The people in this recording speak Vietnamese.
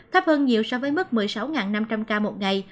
thấp hơn nhiều so với mức một mươi sáu năm trăm linh ca một ngày